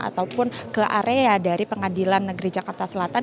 ataupun ke area dari pengadilan negeri jakarta selatan